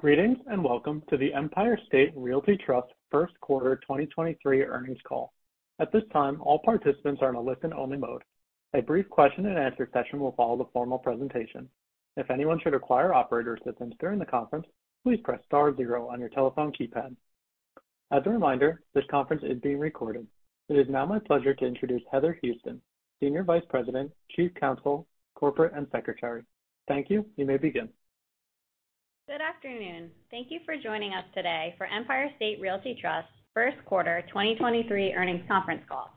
Greetings, welcome to the Empire State Realty Trust first quarter 2023 earnings call. At this time, all participants are in a listen-only mode. A brief question and answer session will follow the formal presentation. If anyone should require operator assistance during the conference, please press *0 on your telephone keypad. As a reminder, this conference is being recorded. It is now my pleasure to introduce Heather Houston, Senior Vice President, Chief Counsel, Corporate, and Secretary. Thank you. You may begin. Good afternoon. Thank you for joining us today for Empire State Realty Trust first quarter 2023 earnings conference call.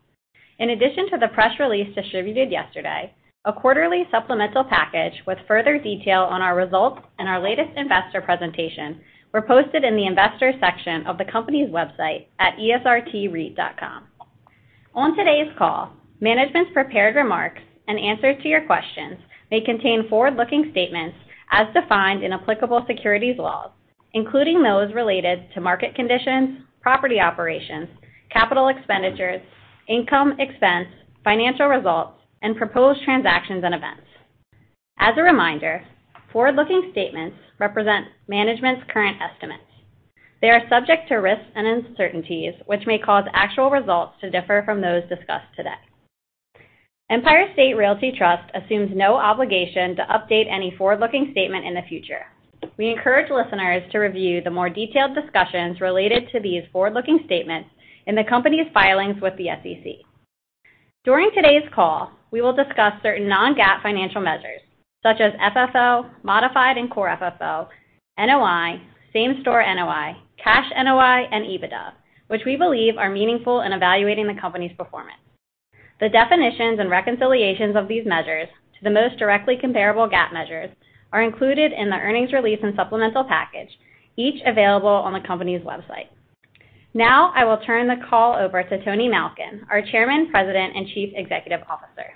In addition to the press release distributed yesterday, a quarterly supplemental package with further detail on our results and our latest investor presentation were posted in the Investors section of the company's website at esrtreit.com. On today's call, management's prepared remarks and answers to your questions may contain forward-looking statements as defined in applicable securities laws, including those related to market conditions, property operations, capital expenditures, income expense, financial results, and proposed transactions and events. As a reminder, forward-looking statements represent management's current estimates. They are subject to risks and uncertainties, which may cause actual results to differ from those discussed today. Empire State Realty Trust assumes no obligation to update any forward-looking statement in the future. We encourage listeners to review the more detailed discussions related to these forward-looking statements in the company's filings with the SEC. During today's call, we will discuss certain non-GAAP financial measures such as FFO, modified and Core FFO, NOI, Same-Store NOI, Cash NOI, and EBITDA, which we believe are meaningful in evaluating the company's performance. The definitions and reconciliations of these measures to the most directly comparable GAAP measures are included in the earnings release and supplemental package, each available on the company's website. Now I will turn the call over to Tony Malkin, our Chairman, President, and Chief Executive Officer.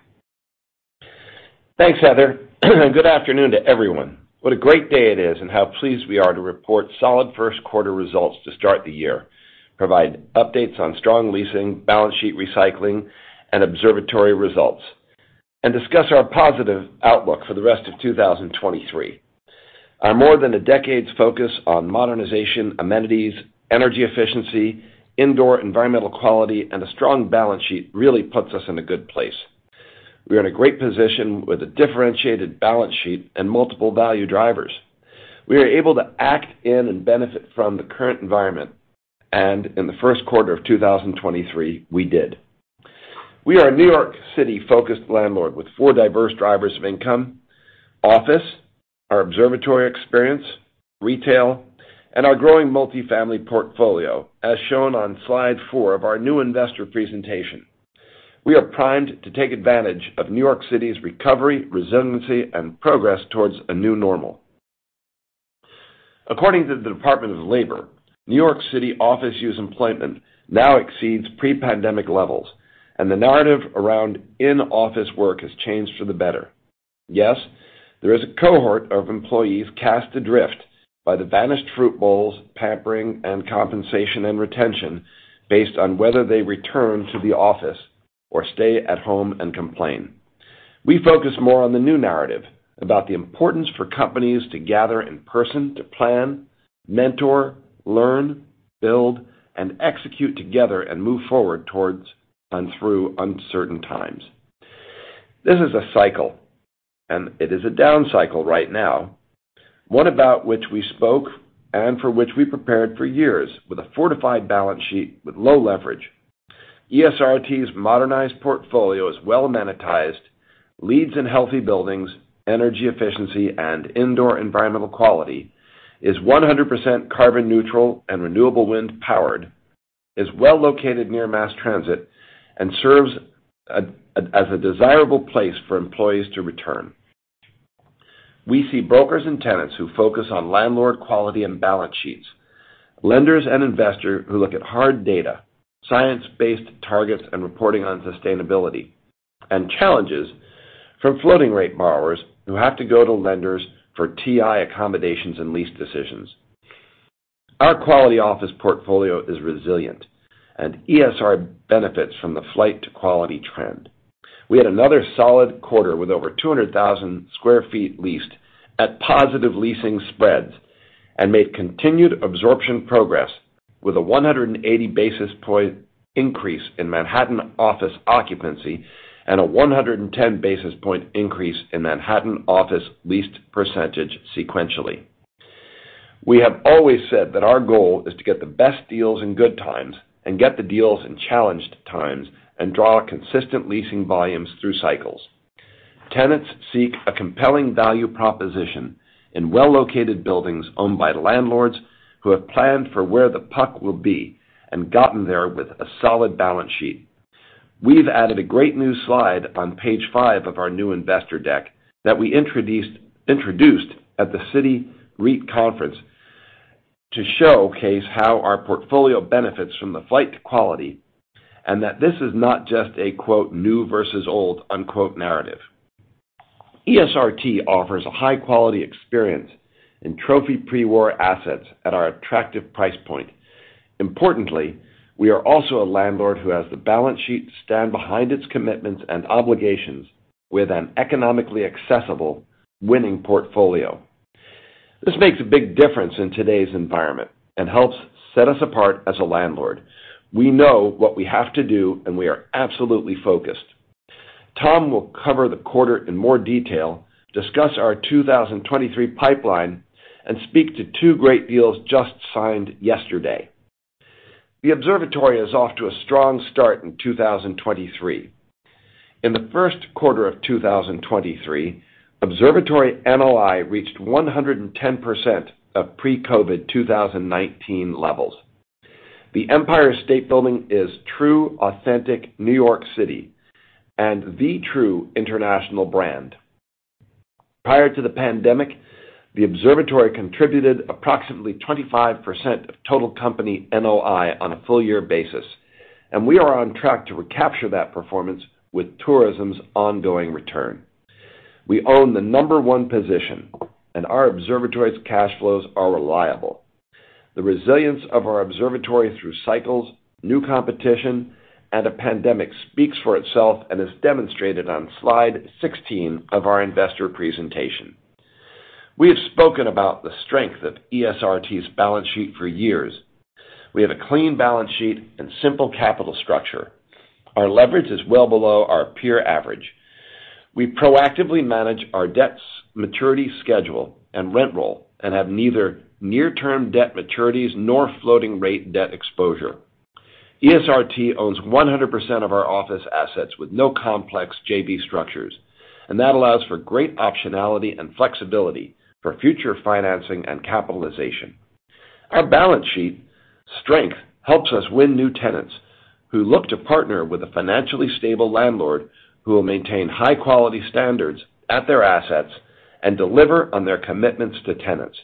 Thanks, Heather. Good afternoon to everyone. What a great day it is and how pleased we are to report solid first quarter results to start the year, provide updates on strong leasing, balance sheet recycling, and observatory results, and discuss our positive outlook for the rest of 2023. Our more than a decade's focus on modernization, amenities, energy efficiency, indoor environmental quality, and a strong balance sheet really puts us in a good place. We are in a great position with a differentiated balance sheet and multiple value drivers. We are able to act in and benefit from the current environment. In the first quarter of 2023, we did. We are a New York City-focused landlord with four diverse drivers of income: office, our observatory experience, retail, and our growing multi-family portfolio, as shown on slide four of our new investor presentation. We are primed to take advantage of New York City's recovery, resiliency, and progress towards a new normal. According to the Department of Labor, New York City office use employment now exceeds pre-pandemic levels, and the narrative around in-office work has changed for the better. Yes, there is a cohort of employees cast adrift by the vanished fruit bowls, pampering, and compensation and retention based on whether they return to the office or stay at home and complain. We focus more on the new narrative about the importance for companies to gather in person to plan, mentor, learn, build, and execute together and move forward towards and through uncertain times. This is a cycle, and it is a down cycle right now, one about which we spoke and for which we prepared for years with a fortified balance sheet with low leverage. ESRT's modernized portfolio is well monetized, leads in healthy buildings, energy efficiency, and indoor environmental quality, is 100% carbon neutral and renewable wind powered, is well located near mass transit, and serves as a desirable place for employees to return. We see brokers and tenants who focus on landlord quality and balance sheets, lenders and investors who look at hard data, science-based targets and reporting on sustainability, and challenges from floating rate borrowers who have to go to lenders for TI accommodations and lease decisions. Our quality office portfolio is resilient, and ESR benefits from the flight to quality trend. We had another solid quarter with over 200,000 sq ft leased at positive leasing spreads and made continued absorption progress with a 180 basis point increase in Manhattan office occupancy and a 110 basis point increase in Manhattan office leased % sequentially. We have always said that our goal is to get the best deals in good times and get the deals in challenged times and draw consistent leasing volumes through cycles. Tenants seek a compelling value proposition in well-located buildings owned by landlords who have planned for where the puck will be and gotten there with a solid balance sheet. We've added a great new slide on page five of our new investor deck that we introduced at the Citi REIT conference to showcase how our portfolio benefits from the flight to quality and that this is not just a quote, "new versus old," unquote, narrative. ESRT offers a high-quality experience in trophy pre-war assets at our attractive price point. Importantly, we are also a landlord who has the balance sheet to stand behind its commitments and obligations with an economically accessible winning portfolio. This makes a big difference in today's environment and helps set us apart as a landlord. We know what we have to do, and we are absolutely focused. Tom will cover the quarter in more detail, discuss our 2023 pipeline, and speak to two great deals just signed yesterday. The Observatory is off to a strong start in 2023. In the first quarter of 2023, Observatory NOI reached 110% of pre-COVID 2019 levels. The Empire State Building is true, authentic New York City and the true international brand. Prior to the pandemic, the Observatory contributed approximately 25% of total company NOI on a full year basis. We are on track to recapture that performance with tourism's ongoing return. We own the number one position. Our observatory's cash flows are reliable. The resilience of our observatory through cycles, new competition, and a pandemic speaks for itself and is demonstrated on slide 16 of our investor presentation. We have spoken about the strength of ESRT's balance sheet for years. We have a clean balance sheet and simple capital structure. Our leverage is well below our peer average. We proactively manage our debts, maturity schedule, and rent roll, and have neither near-term debt maturities nor floating rate debt exposure. ESRT owns 100% of our office assets with no complex JV structures. That allows for great optionality and flexibility for future financing and capitalization. Our balance sheet strength helps us win new tenants who look to partner with a financially stable landlord who will maintain high-quality standards at their assets and deliver on their commitments to tenants.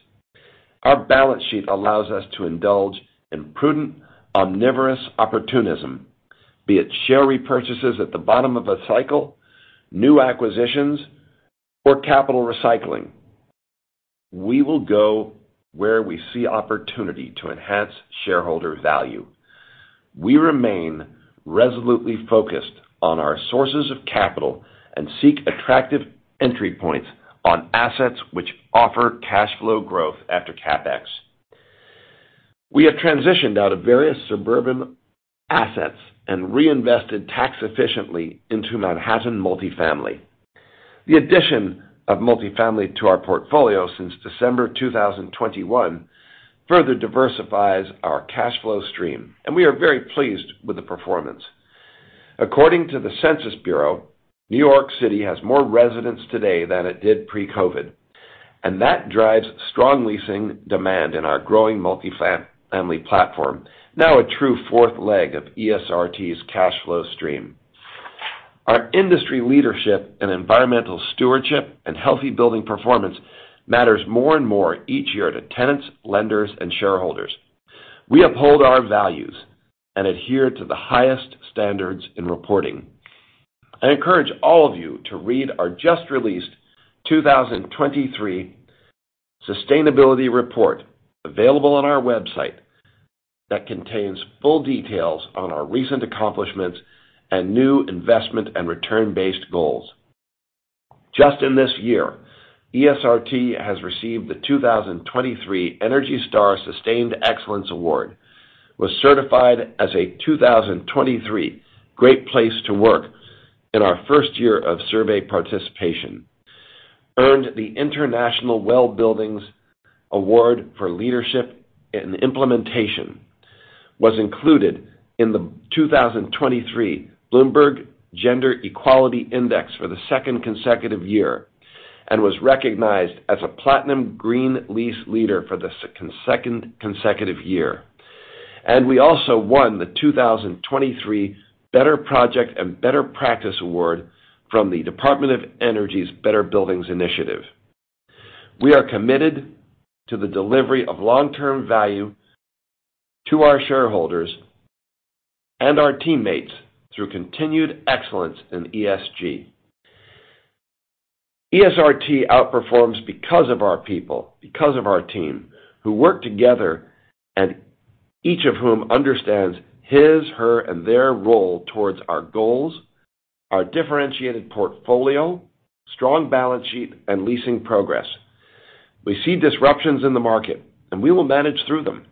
Our balance sheet allows us to indulge in prudent omnivorous opportunism, be it share repurchases at the bottom of a cycle, new acquisitions, or capital recycling. We will go where we see opportunity to enhance shareholder value. We remain resolutely focused on our sources of capital and seek attractive entry points on assets which offer cash flow growth after CapEx. We have transitioned out of various suburban assets and reinvested tax efficiently into Manhattan multifamily. The addition of multifamily to our portfolio since December 2021 further diversifies our cash flow stream, and we are very pleased with the performance. According to the Census Bureau, New York City has more residents today than it did pre-COVID, and that drives strong leasing demand in our growing multifamily platform, now a true fourth leg of ESRT's cash flow stream. Our industry leadership in environmental stewardship and healthy building performance matters more and more each year to tenants, lenders, and shareholders. We uphold our values and adhere to the highest standards in reporting. I encourage all of you to read our just released 2023 Sustainability Report available on our website that contains full details on our recent accomplishments and new investment and return-based goals. Just in this year, ESRT has received the 2023 ENERGY STAR Sustained Excellence Award, was certified as a 2023 Great Place To Work in our first year of survey participation, earned the International WELL Buildings Award for Leadership in Implementation, was included in the 2023 Bloomberg Gender-Equality Index for the second consecutive year, and was recognized as a Platinum Green Lease Leader for the second consecutive year. We also won the 2023 Better Project and Better Practice Award from the Department of Energy's Better Buildings initiative. We are committed to the delivery of long-term value to our shareholders and our teammates through continued excellence in ESG. ESRT outperforms because of our people, because of our team, who work together and each of whom understands his, her, and their role towards our goals, our differentiated portfolio, strong balance sheet, and leasing progress. We see disruptions in the market, and we will manage through them.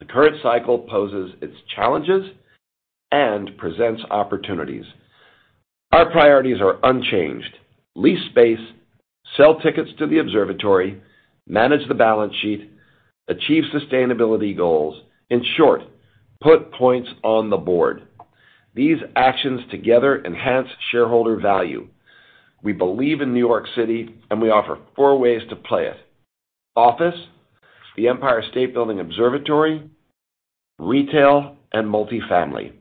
The current cycle poses its challenges and presents opportunities. Our priorities are unchanged. Lease space, sell tickets to the observatory, manage the balance sheet, achieve sustainability goals. In short, put points on the board. These actions together enhance shareholder value. We believe in New York City, and we offer 4 ways to play it: office, the Empire State Building Observatory, retail, and multifamily.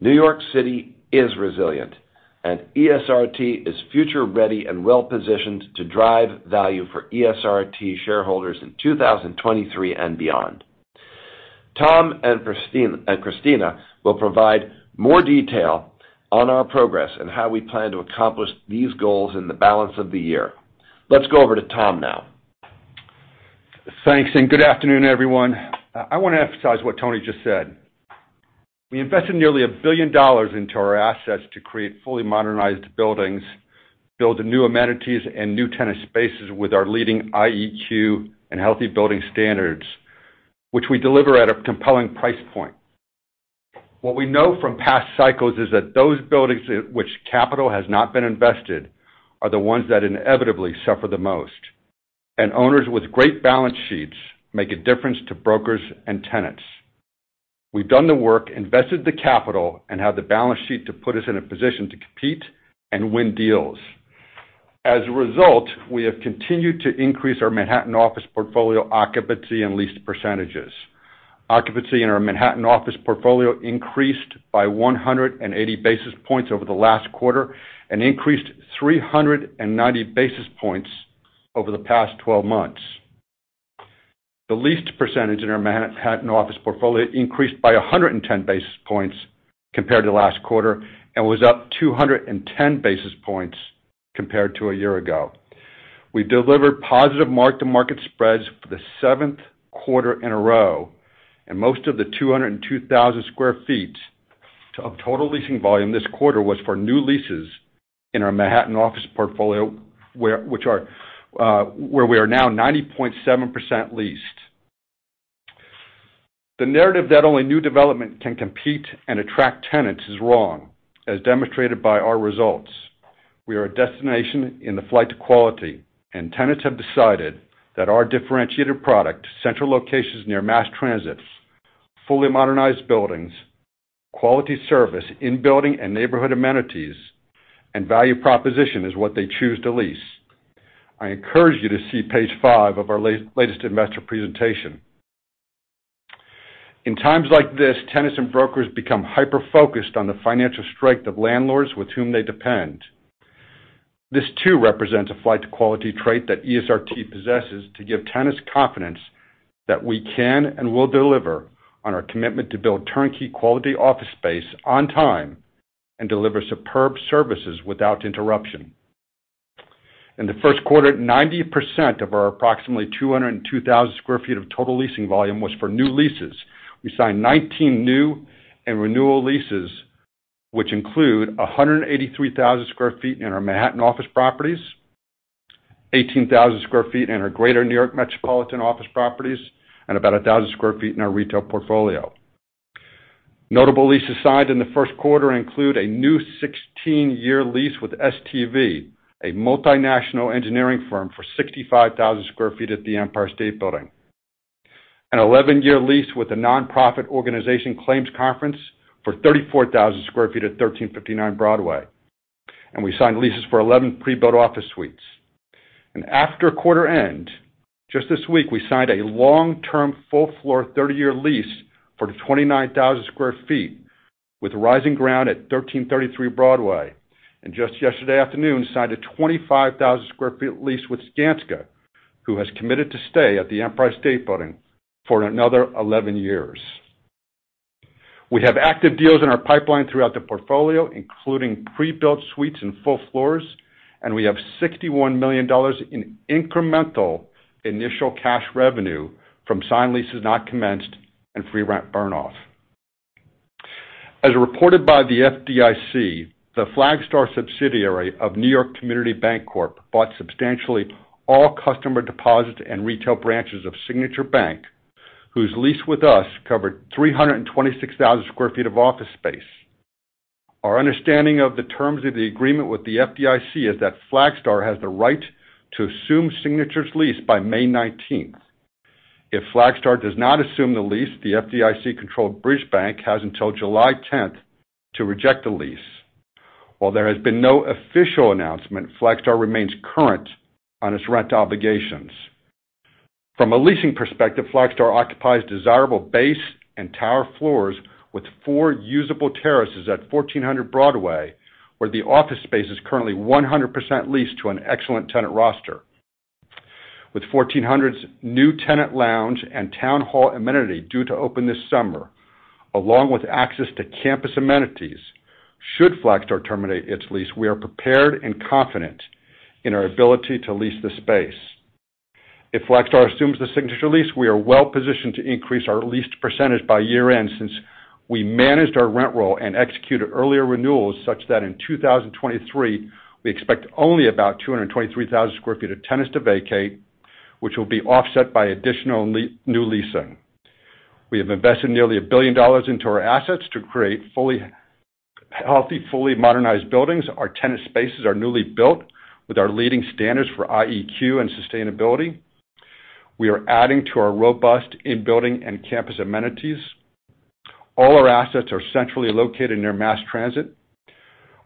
New York City is resilient, and ESRT is future ready and well-positioned to drive value for ESRT shareholders in 2023 and beyond. Tom and Christina will provide more detail on our progress and how we plan to accomplish these goals in the balance of the year. Let's go over to Tom now. Thanks. Good afternoon, everyone. I wanna emphasize what Tony just said. We invested nearly $1 billion into our assets to create fully modernized buildings, build new amenities and new tenant spaces with our leading IEQ and healthy building standards, which we deliver at a compelling price point. What we know from past cycles is that those buildings which capital has not been invested, are the ones that inevitably suffer the most. Owners with great balance sheets make a difference to brokers and tenants. We've done the work, invested the capital, and have the balance sheet to put us in a position to compete and win deals. As a result, we have continued to increase our Manhattan office portfolio occupancy and lease percentages. Occupancy in our Manhattan office portfolio increased by 180 basis points over the last quarter, and increased 390 basis points over the past 12 months. The lease percentage in our Manhattan office portfolio increased by 110 basis points compared to last quarter, and was up 210 basis points compared to a year ago. We delivered positive mark-to-market spreads for the 7th quarter in a row, and most of the 202,000 sq ft of total leasing volume this quarter was for new leases in our Manhattan office portfolio, where we are now 90.7% leased. The narrative that only new development can compete and attract tenants is wrong, as demonstrated by our results. We are a destination in the flight to quality, tenants have decided that our differentiated product, central locations near mass transits, fully modernized buildings, quality service in building and neighborhood amenities, and value proposition, is what they choose to lease. I encourage you to see page 5 of our latest investor presentation. In times like this, tenants and brokers become hyper-focused on the financial strength of landlords with whom they depend. This, too, represents a flight to quality trait that ESRT possesses to give tenants confidence that we can and will deliver on our commitment to build turnkey quality office space on time, and deliver superb services without interruption. In the first quarter, 90% of our approximately 202,000 sq ft of total leasing volume was for new leases. We signed 19 new and renewal leases, which include 183,000 sq ft in our Manhattan office properties, 18,000 sq ft in our Greater New York metropolitan office properties, and about 1,000 sq ft in our retail portfolio. Notable leases signed in the first quarter include a new 16-year lease with STV, a multinational engineering firm, for 65,000 sq ft at the Empire State Building. An 11-year lease with the nonprofit organization, Claims Conference, for 34,000 sq ft at 1359 Broadway. We signed leases for 11 prebuilt office suites. After quarter end, just this week, we signed a long-term, full floor, 30-year lease for 29,000 sq ft with Rising Ground at 1333 Broadway. Just yesterday afternoon, signed a 25,000 sq ft lease with Skanska, who has committed to stay at the Empire State Building for another 11 years. We have active deals in our pipeline throughout the portfolio, including pre-built suites and full floors, and we have $61 million in incremental initial cash revenue from signed leases not commenced and free rent burn-off. As reported by the FDIC, the Flagstar subsidiary of New York Community Bancorp, bought substantially all customer deposits and retail branches of Signature Bank, whose lease with us covered 326,000 sq ft of office space. Our understanding of the terms of the agreement with the FDIC is that Flagstar has the right to assume Signature's lease by May 19th. If Flagstar does not assume the lease, the FDIC-controlled Bridge Bank has until July 10th to reject the lease. While there has been no official announcement, Flagstar remains current on its rent obligations. From a leasing perspective, Flagstar occupies desirable base and tower floors with 4 usable terraces at 1400 Broadway, where the office space is currently 100% leased to an excellent tenant roster. With 1400's new tenant lounge and town hall amenity due to open this summer, along with access to campus amenities, should Flagstar terminate its lease, we are prepared and confident in our ability to lease the space. If Flagstar assumes the Signature lease, we are well positioned to increase our leased percentage by year-end, since we managed our rent roll and executed earlier renewals, such that in 2023, we expect only about 223,000 sq ft of tenants to vacate, which will be offset by additional new leasing. We have invested nearly $1 billion into our assets to create fully healthy, fully modernized buildings. Our tenant spaces are newly built with our leading standards for IEQ and sustainability. We are adding to our robust in building and campus amenities. All our assets are centrally located near mass transit.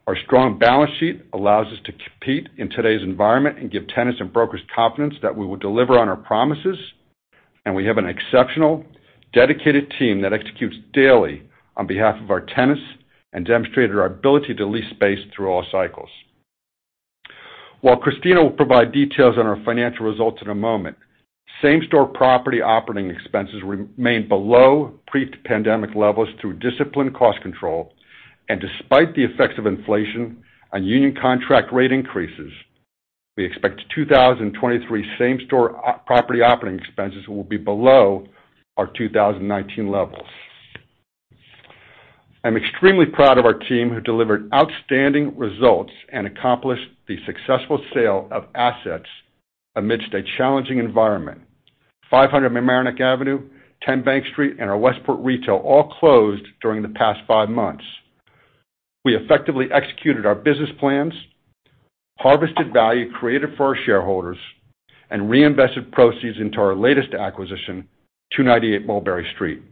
Our strong balance sheet allows us to compete in today's environment and give tenants and brokers confidence that we will deliver on our promises. We have an exceptional, dedicated team that executes daily on behalf of our tenants and demonstrated our ability to lease space through all cycles. While Christina will provide details on our financial results in a moment. Same-Store property operating expenses remain below pre-pandemic levels through disciplined cost control. Despite the effects of inflation on union contract rate increases, we expect 2023 same-store property operating expenses will be below our 2019 levels. I'm extremely proud of our team, who delivered outstanding results and accomplished the successful sale of assets amidst a challenging environment. 500 Mamaroneck Avenue, 10 Bank Street, and our Westport Retail all closed during the past 5 months. We effectively executed our business plans, harvested value created for our shareholders, and reinvested proceeds into our latest acquisition, 298 Mulberry Street.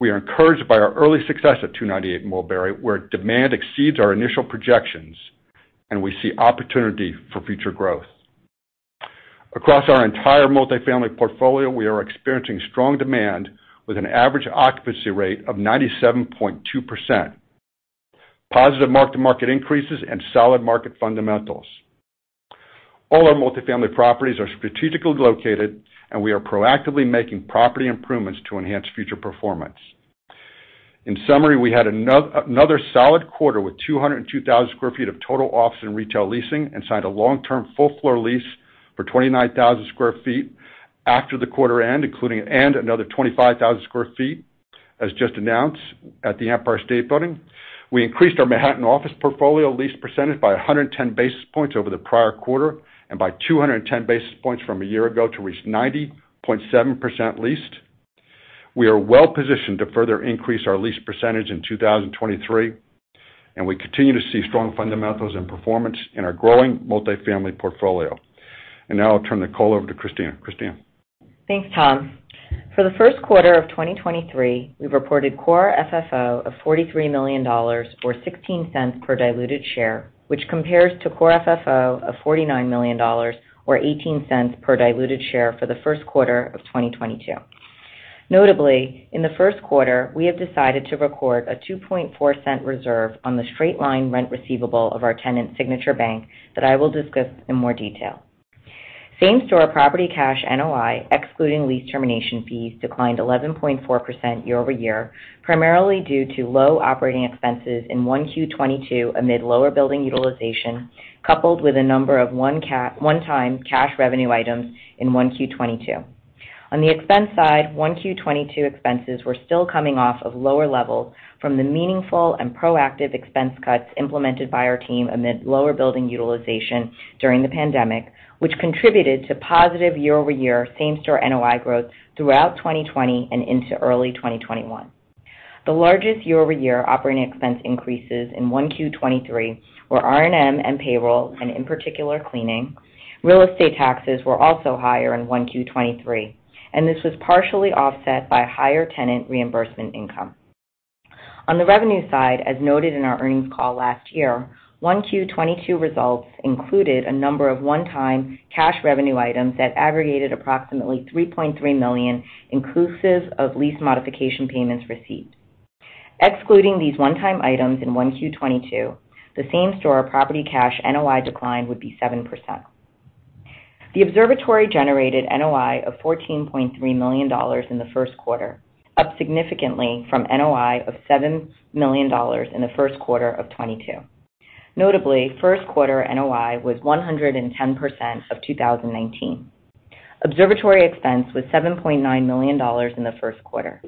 We are encouraged by our early success at 298 Mulberry, where demand exceeds our initial projections, and we see opportunity for future growth. Across our entire multifamily portfolio, we are experiencing strong demand with an average occupancy rate of 97.2%, positive mark-to-market increases, and solid market fundamentals. All our multifamily properties are strategically located, and we are proactively making property improvements to enhance future performance. In summary, we had another solid quarter with 202,000 sq ft of total office and retail leasing, and signed a long-term full floor lease for 29,000 sq ft after the quarter end, including another 25,000 sq ft, as just announced at the Empire State Building. We increased our Manhattan office portfolio lease percentage by 110 basis points over the prior quarter and by 210 basis points from a year ago to reach 90.7% leased. We are well-positioned to further increase our lease percentage in 2023, and we continue to see strong fundamentals and performance in our growing multifamily portfolio. Now I'll turn the call over to Christina. Thanks, Tom. For the first quarter of 2023, we've reported Core FFO of $43 million or $0.16 per diluted share, which compares to Core FFO of $49 million or $0.18 per diluted share for the first quarter of 2022. Notably, in the first quarter, we have decided to record a $0.024 reserve on the straight-line rent receivable of our tenant, Signature Bank, that I will discuss in more detail. Same-Store Property Cash NOI, excluding lease termination fees, declined 11.4% year-over-year, primarily due to low operating expenses in 1Q 2022 amid lower building utilization, coupled with a number of one-time cash revenue items in 1Q 2022. On the expense side, 1Q 2022 expenses were still coming off of lower levels from the meaningful and proactive expense cuts implemented by our team amid lower building utilization during the pandemic, which contributed to positive year-over-year same-store NOI growth throughout 2020 and into early 2021. The largest year-over-year operating expense increases in 1Q 2023 were R&M and payroll, and in particular, cleaning. Real estate taxes were also higher in 1Q 2023. This was partially offset by higher tenant reimbursement income. On the revenue side, as noted in our earnings call last year, 1Q 2022 results included a number of one-time cash revenue items that aggregated approximately $3.3 million, inclusive of lease modification payments received. Excluding these one-time items in 1Q 2022, the same-store property cash NOI decline would be 7%. The Observatory generated NOI of $14.3 million in the first quarter, up significantly from NOI of $7 million in the first quarter of 2022. Notably, first quarter NOI was 110% of 2019. Observatory expense was $7.9 million in the first quarter.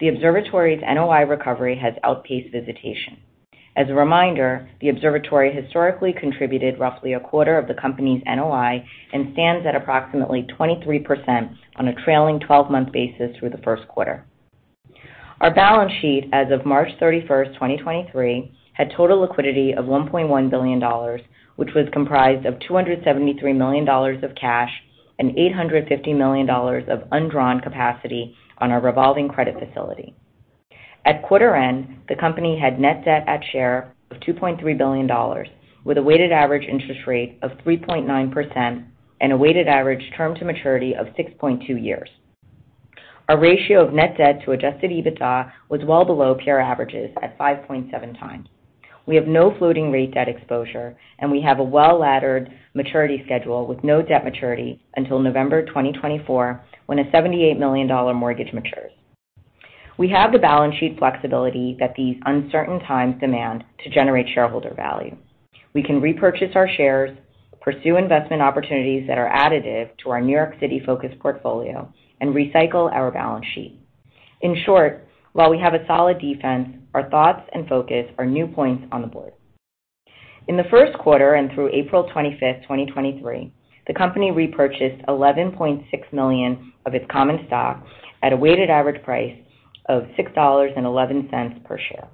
The Observatory's NOI recovery has outpaced visitation. As a reminder, the Observatory historically contributed roughly a quarter of the company's NOI and stands at approximately 23% on a trailing 12-month basis through the first quarter. Our balance sheet as of March 31st, 2023, had total liquidity of $1.1 billion, which was comprised of $273 million of cash and $850 million of undrawn capacity on our revolving credit facility. At quarter end, the company had net debt at share of $2.3 billion, with a weighted average interest rate of 3.9% and a weighted average term to maturity of 6.2 years. Our ratio of net debt to adjusted EBITDA was well below peer averages at 5.7x. We have no floating rate debt exposure, and we have a well-laddered maturity schedule with no debt maturity until November 2024, when a $78 million mortgage matures. We have the balance sheet flexibility that these uncertain times demand to generate shareholder value. We can repurchase our shares, pursue investment opportunities that are additive to our New York City focused portfolio, and recycle our balance sheet. In short, while we have a solid defense, our thoughts and focus are new points on the board. In the first quarter and through April 25th, 2023, the company repurchased $11.6 million of its common stock at a weighted average price of $6.11 per share.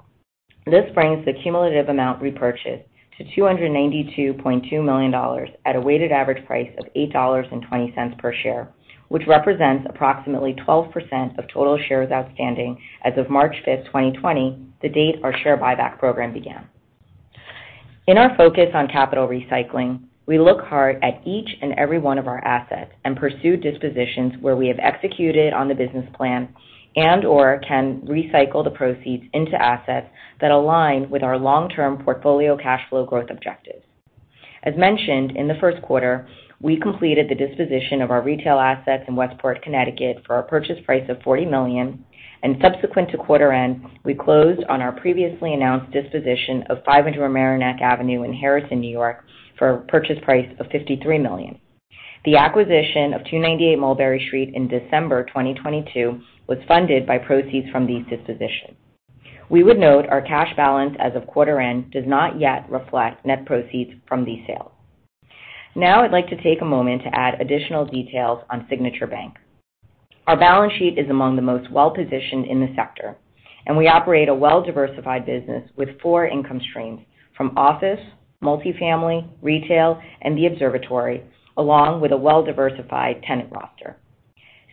This brings the cumulative amount repurchased to $292.2 million at a weighted average price of $8.20 per share, which represents approximately 12% of total shares outstanding as of March 5th, 2020, the date our share buyback program began. In our focus on capital recycling, we look hard at each and every one of our assets and pursue dispositions where we have executed on the business plan and/or can recycle the proceeds into assets that align with our long-term portfolio cash flow growth objective. As mentioned, in the first quarter, we completed the disposition of our retail assets in Westport, Connecticut for a purchase price of $40 million, and subsequent to quarter end, we closed on our previously announced disposition of 500 Mamaroneck Avenue in Harrison, New York for a purchase price of $53 million. The acquisition of 298 Mulberry Street in December 2022 was funded by proceeds from these dispositions. We would note our cash balance as of quarter end does not yet reflect net proceeds from these sales. Now I'd like to take a moment to add additional details on Signature Bank. Our balance sheet is among the most well-positioned in the sector, and we operate a well-diversified business with four income streams, from office, multifamily, retail, and the observatory, along with a well-diversified tenant roster.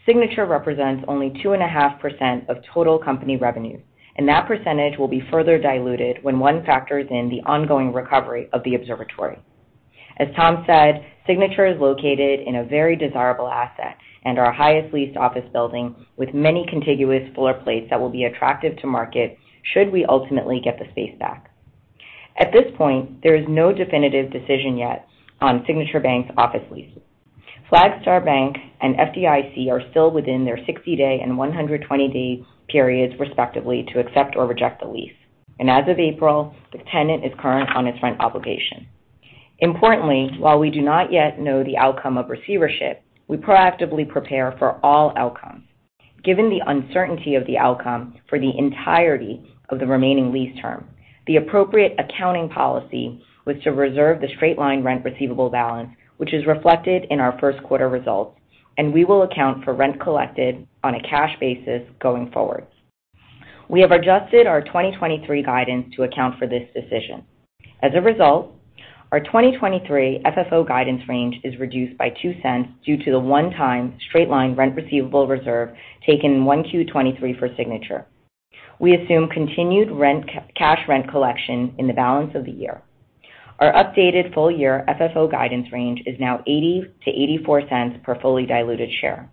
Signature represents only 2.5% of total company revenue, and that percentage will be further diluted when one factors in the ongoing recovery of the observatory. As Tom said, Signature is located in a very desirable asset and our highest leased office building with many contiguous floor plates that will be attractive to market should we ultimately get the space back. At this point, there is no definitive decision yet on Signature Bank's office leases. Flagstar Bank and FDIC are still within their 60-day and 120-day periods, respectively, to accept or reject the lease. As of April, the tenant is current on its rent obligation. Importantly, while we do not yet know the outcome of receivership, we proactively prepare for all outcomes. Given the uncertainty of the outcome for the entirety of the remaining lease term, the appropriate accounting policy was to reserve the straight-line rent receivable balance, which is reflected in our first quarter results, and we will account for rent collected on a cash basis going forward. We have adjusted our 2023 guidance to account for this decision. Our 2023 FFO guidance range is reduced by $0.02 due to the one-time straight-line rent receivable reserve taken in 1Q 2023 for Signature. We assume continued cash rent collection in the balance of the year. Our updated full year FFO guidance range is now $0.80 to $0.84 per fully diluted share.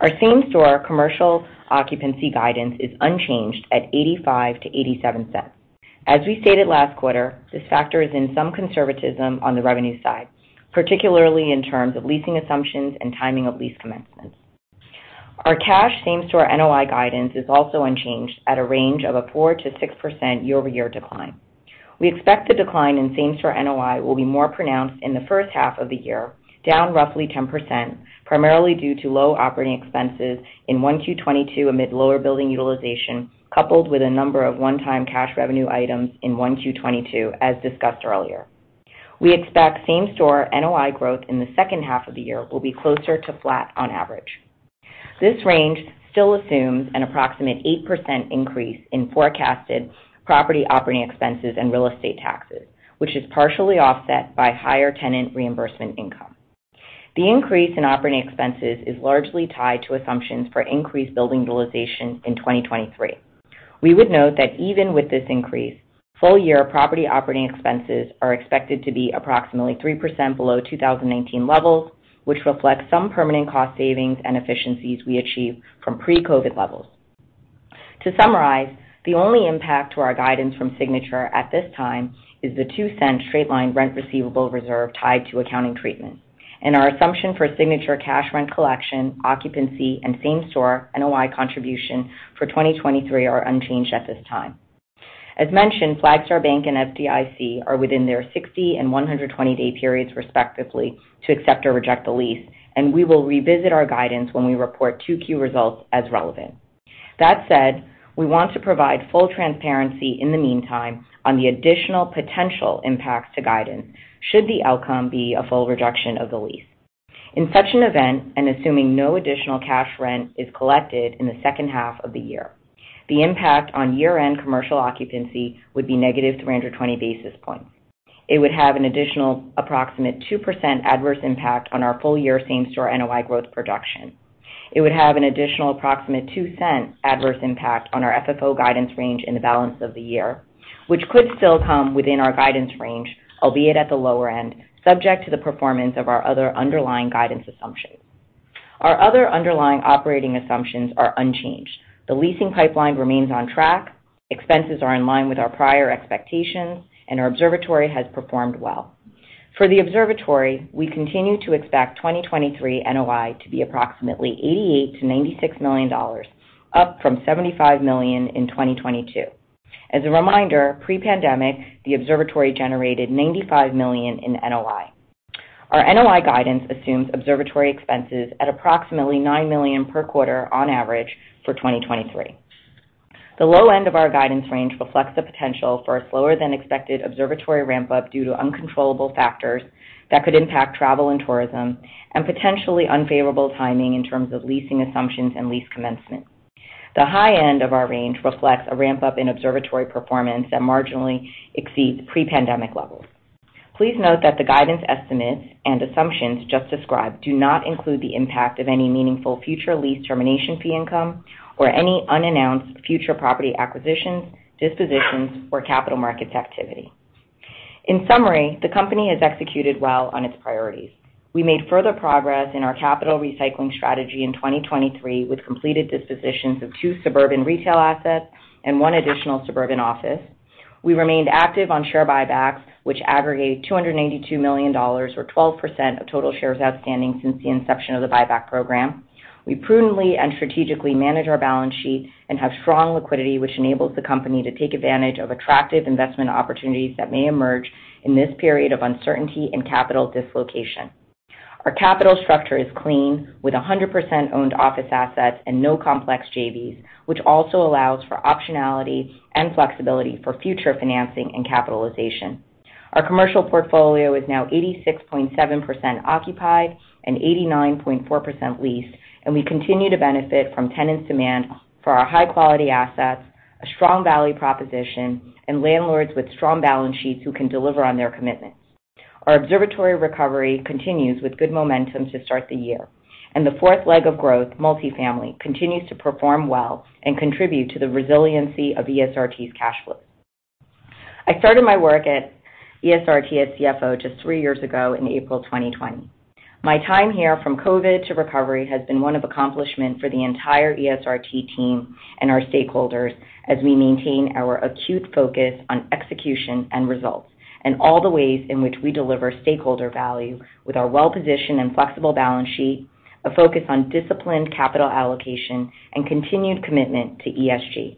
Our same-store commercial occupancy guidance is unchanged at 85 to 87 cents. As we stated last quarter, this factor is in some conservatism on the revenue side, particularly in terms of leasing assumptions and timing of lease commencements. Our cash same-store NOI guidance is also unchanged at a range of a 4% to 6% year-over-year decline. We expect the decline in same-store NOI will be more pronounced in the first half of the year, down roughly 10%, primarily due to low operating expenses in 1Q 2022 amid lower building utilization, coupled with a number of one-time cash revenue items in 1Q 2022, as discussed earlier. We expect same-store NOI growth in the second half of the year will be closer to flat on average. This range still assumes an approximate 8% increase in forecasted property operating expenses and real estate taxes, which is partially offset by higher tenant reimbursement income. The increase in operating expenses is largely tied to assumptions for increased building utilization in 2023. We would note that even with this increase, full year property operating expenses are expected to be approximately 3% below 2019 levels, which reflects some permanent cost savings and efficiencies we achieved from pre-COVID levels. To summarize, the only impact to our guidance from Signature at this time is the $0.02 straight-line rent receivable reserve tied to accounting treatment. Our assumption for Signature cash rent collection, occupancy, and same-store NOI contribution for 2023 are unchanged at this time. As mentioned, Flagstar Bank and FDIC are within their 60 and 120 day periods, respectively, to accept or reject the lease, and we will revisit our guidance when we report 2Q results as relevant. That said, we want to provide full transparency in the meantime on the additional potential impacts to guidance should the outcome be a full reduction of the lease. In such an event, and assuming no additional cash rent is collected in the second half of the year, the impact on year-end commercial occupancy would be negative 320 basis points. It would have an additional approximate 2% adverse impact on our full-year same-store NOI growth production. It would have an additional approximate $0.02 adverse impact on our FFO guidance range in the balance of the year, which could still come within our guidance range, albeit at the lower end, subject to the performance of our other underlying guidance assumptions. Our other underlying operating assumptions are unchanged. The leasing pipeline remains on track. Expenses are in line with our prior expectations, and our observatory has performed well. For the observatory, we continue to expect 2023 NOI to be approximately $88 million to $96 million, up from $75 million in 2022. As a reminder, pre-pandemic, the observatory generated $95 million in NOI. Our NOI guidance assumes observatory expenses at approximately $9 million per quarter on average for 2023. The low end of our guidance range reflects the potential for a slower-than-expected observatory ramp-up due to uncontrollable factors that could impact travel and tourism and potentially unfavorable timing in terms of leasing assumptions and lease commencement. The high end of our range reflects a ramp-up in observatory performance that marginally exceeds pre-pandemic levels. Please note that the guidance estimates and assumptions just described do not include the impact of any meaningful future lease termination fee income or any unannounced future property acquisitions, dispositions, or capital markets activity. In summary, the company has executed well on its priorities. We made further progress in our capital recycling strategy in 2023 with completed dispositions of 2 suburban retail assets and 1 additional suburban office. We remained active on share buybacks, which aggregate $282 million or 12% of total shares outstanding since the inception of the buyback program. We prudently and strategically manage our balance sheet and have strong liquidity, which enables the company to take advantage of attractive investment opportunities that may emerge in this period of uncertainty and capital dislocation. Our capital structure is clean, with 100% owned office assets and no complex JVs, which also allows for optionality and flexibility for future financing and capitalization. Our commercial portfolio is now 86.7% occupied and 89.4% leased. We continue to benefit from tenants' demand for our high-quality assets, a strong value proposition, and landlords with strong balance sheets who can deliver on their commitments. Our observatory recovery continues with good momentum to start the year. The fourth leg of growth, multifamily, continues to perform well and contribute to the resiliency of ESRT's cash flow. I started my work at ESRT as CFO just 3 years ago in April 2020. My time here from COVID to recovery has been one of accomplishment for the entire ESRT team and our stakeholders as we maintain our acute focus on execution and results, and all the ways in which we deliver stakeholder value with our well-positioned and flexible balance sheet, a focus on disciplined capital allocation, and continued commitment to ESG.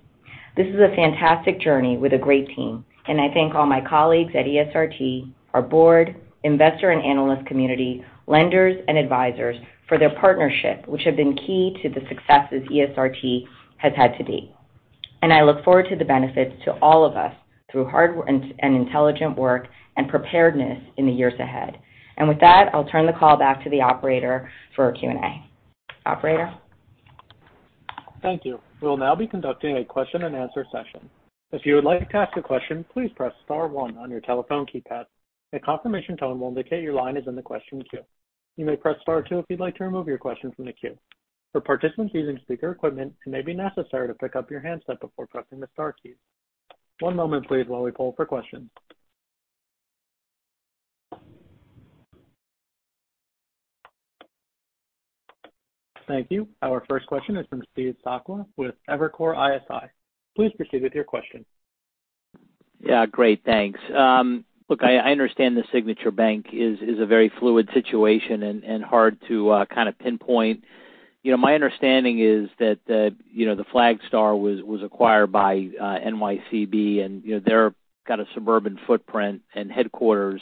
This is a fantastic journey with a great team. I thank all my colleagues at ESRT, our board, investor and analyst community, lenders, and advisors for their partnership, which have been key to the successes ESRT has had to date. I look forward to the benefits to all of us through hard and intelligent work and preparedness in the years ahead. With that, I'll turn the call back to the operator for Q&A. Operator? Thank you. We'll now be conducting a question-and-answer session. If you would like to ask a question, please press star one on your telephone keypad. A confirmation tone will indicate your line is in the question queue. You may press star two if you'd like to remove your question from the queue. For participants using speaker equipment, it may be necessary to pick up your handset before pressing the star key. One moment please while we poll for questions. Thank you. Our first question is from Steve Sakwa with Evercore ISI. Please proceed with your question. Great. Thanks. look, I understand the Signature Bank is a very fluid situation and hard to kinda pinpoint. You know, my understanding is that Flagstar was acquired by NYCB, and they're kind of suburban footprint and headquarters.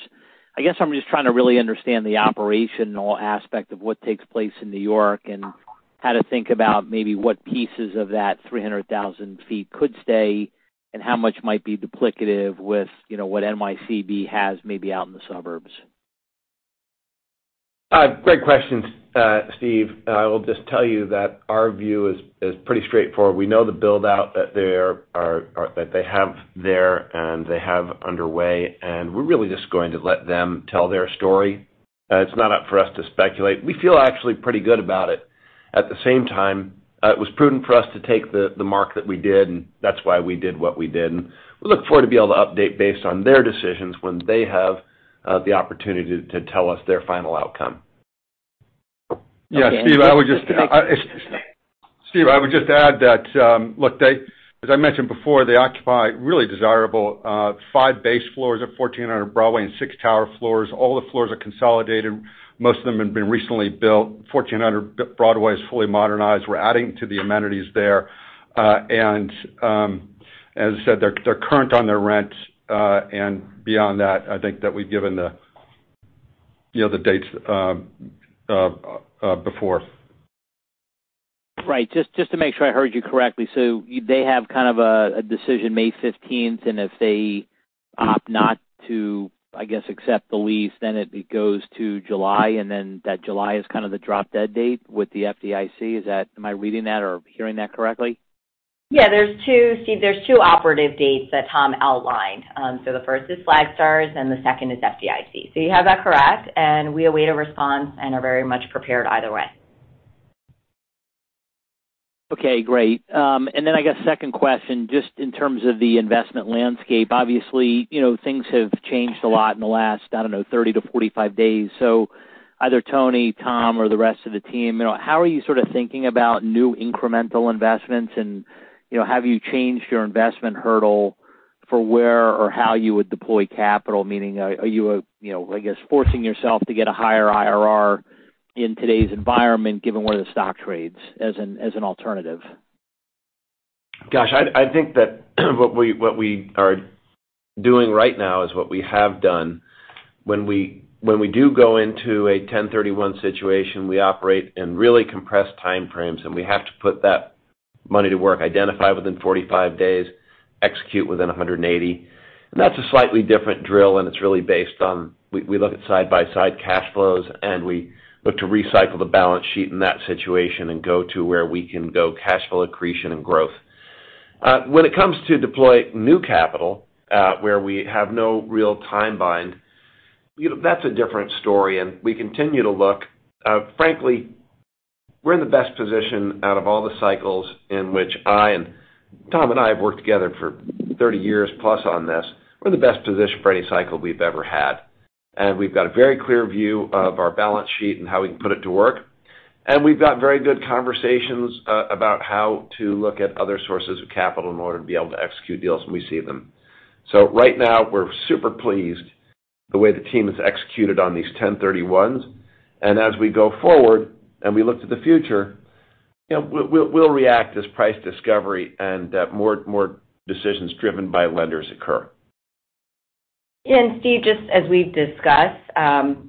I guess I'm just trying to really understand the operational aspect of what takes place in New York and how to think about maybe what pieces of that 300,000 feet could stay and how much might be duplicative with what NYCB has maybe out in the suburbs. Great question, Steve. I will just tell you that our view is pretty straightforward. We know the build-out that they have there and they have underway, and we're really just going to let them tell their story. It's not up for us to speculate. We feel actually pretty good about it. At the same time, it was prudent for us to take the mark that we did, and that's why we did what we did. We look forward to be able to update based on their decisions when they have the opportunity to tell us their final outcome. Okay. Steve, I would just add that, look, they as I mentioned before, they occupy really desirable, five base floors at 1400 Broadway and six tower floors. All the floors are consolidated. Most of them have been recently built. 1400 Broadway is fully modernized. We're adding to the amenities there. As I said, they're current on their rent. Beyond that, I think that we've given the dates before. Just to make sure I heard you correctly. They have kind of a decision May 15th, and if they opt not to, I guess, accept the lease, then it goes to July, and then that July is kind of the drop-dead date with the FDIC. Am I reading that or hearing that correctly? Yeah, there's two operative dates that Tom outlined. The first is Flagstar's, and the second is FDIC. You have that correct, and we await a response and are very much prepared either way. Okay. Great. I guess second question, just in terms of the investment landscape. Obviously, things have changed a lot in the last, I don't know, 30 to 45 days. Either Tony, Tom, or the rest of the team, you know, how are you sort of thinking about new incremental investments? You know, have you changed your investment hurdle for where or how you would deploy capital? Meaning are you know, I guess forcing yourself to get a higher IRR in today's environment given where the stock trades as an alternative? Gosh, I think that what we are doing right now is what we have done. When we do go into a 1031 situation, we operate in really compressed time frames, and we have to put that money to work, identify within 45 days, execute within 180. That's a slightly different drill, and it's really based on we look at side-by-side cash flows, and we look to recycle the balance sheet in that situation and go to where we can go cash flow accretion and growth. When it comes to deploy new capital, where we have no real time bind, you know, that's a different story. We continue to look. Frankly, we're in the best position out of all the cycles in which I and Tom and I have worked together for 30 years plus on this. We're in the best position for any cycle we've ever had. We've got a very clear view of our balance sheet and how we can put it to work. We've got very good conversations about how to look at other sources of capital in order to be able to execute deals when we see them. Right now, we're super pleased the way the team has executed on these 1031s. As we go forward, and we look to the future, you know, we'll react as price discovery and more decisions driven by lenders occur. Steve, just as we've discussed,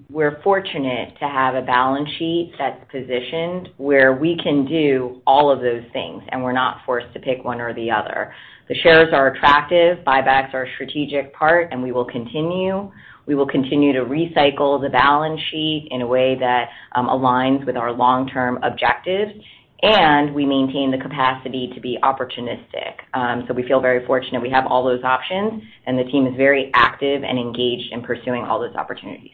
we're fortunate to have a balance sheet that's positioned where we can do all of those things, and we're not forced to pick one or the other. The shares are attractive, buybacks are a strategic part, and we will continue to recycle the balance sheet in a way that aligns with our long-term objectives, and we maintain the capacity to be opportunistic. So we feel very fortunate we have all those options, and the team is very active and engaged in pursuing all those opportunities.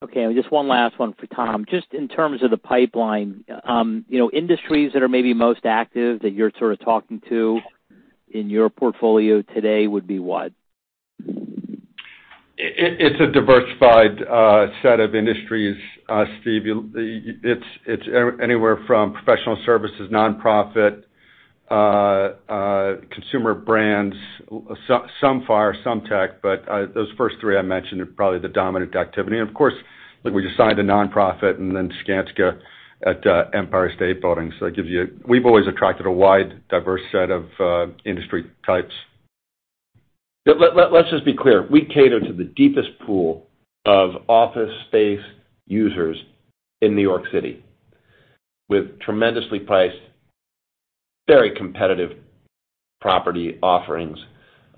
Okay. Just one last one for Tom. Just in terms of the pipeline, you know, industries that are maybe most active that you're sort of talking to in your portfolio today would be what? It's a diversified set of industries, Steve. It's anywhere from professional services, nonprofit, consumer brands, some far, some tech, but those first three I mentioned are probably the dominant activity. Of course, we just signed a nonprofit and then Skanska at Empire State Building. We've always attracted a wide, diverse set of industry types. Let's just be clear. We cater to the deepest pool of office space users in New York City with tremendously priced, very competitive property offerings,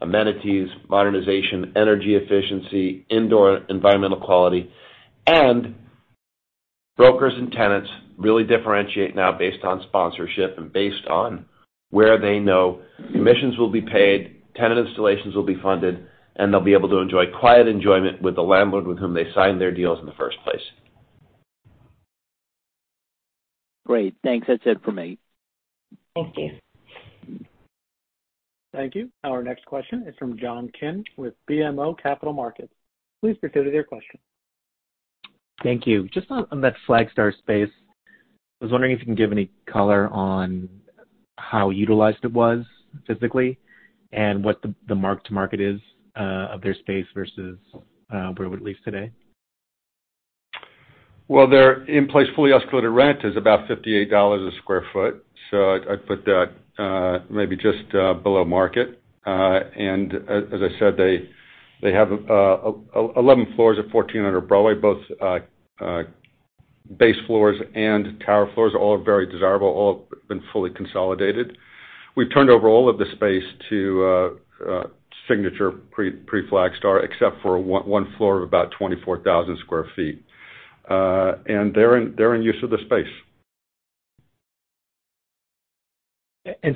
amenities, modernization, energy efficiency, indoor environmental quality. Brokers and tenants really differentiate now based on sponsorship and based on where they know commissions will be paid, tenant installations will be funded, and they'll be able to enjoy quiet enjoyment with the landlord with whom they signed their deals in the first place. Great. Thanks. That's it for me. Thank you. Thank you. Our next question is from John Kim with BMO Capital Markets. Please proceed with your question. Thank you. Just on that Flagstar space, I was wondering if you can give any color on how utilized it was physically and what the mark-to-market is of their space versus where it would lease today? Well, their in-place fully escalated rent is about $58 a sq ft, so I'd put that maybe just below market. As I said, they have 11 floors of 1400 Broadway, both base floors and tower floors, all are very desirable, all have been fully consolidated. We've turned over all of the space to Signature pre-Flagstar, except for 1 floor of about 24,000 sq ft. They're in use of the space.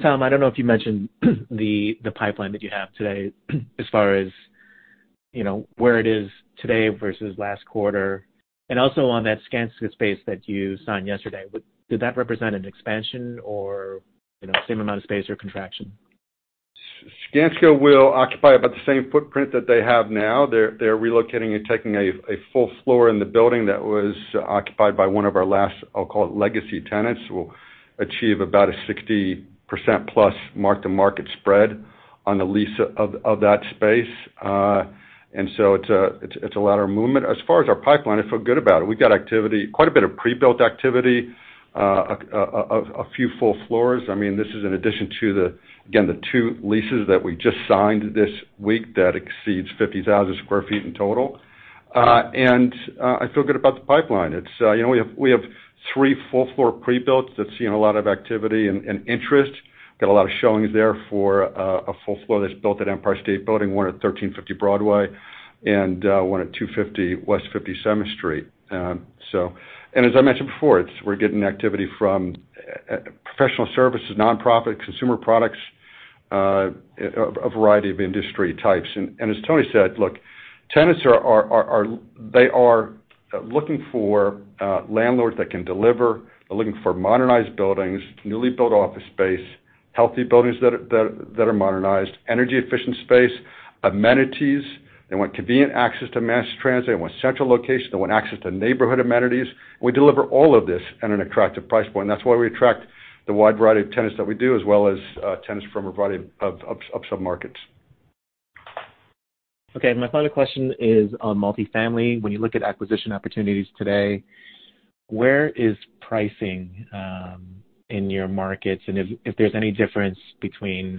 Tom, I don't know if you mentioned the pipeline that you have today as far as, you know, where it is today versus last quarter. Also on that Skanska space that you signed yesterday, did that represent an expansion or, you know, same amount of space or contraction? Skanska will occupy about the same footprint that they have now. They're relocating and taking a full floor in the building that was occupied by one of our last, I'll call it, legacy tenants. We'll achieve about a 60%+ mark-to-market spread on the lease of that space. it's a latter movement. As far as our pipeline, I feel good about it. We've got activity, quite a bit of pre-built activity, a few full floors. I mean, this is in addition to the, again, the two leases that we just signed this week that exceeds 50,000 sq ft in total. I feel good about the pipeline. It's, you know, we have three full floor prebuilt that's seen a lot of activity and interest. Got a lot of showings there for a full floor that's built at Empire State Building, one at 1350 Broadway, and one at 250 West 57th Street. As I mentioned before, we're getting activity from professional services, nonprofits, consumer products, a variety of industry types. As Tony said, look, tenants are looking for landlords that can deliver. They're looking for modernized buildings, newly built office space, healthy buildings that are modernized, energy-efficient space, amenities. They want convenient access to mass transit, they want central location, they want access to neighborhood amenities. We deliver all of this at an attractive price point. That's why we attract the wide variety of tenants that we do, as well as tenants from a variety of submarkets. Okay. My final question is on multifamily. When you look at acquisition opportunities today, where is pricing in your markets? If there's any difference between